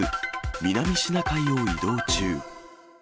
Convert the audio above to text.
南シナ海を移動中。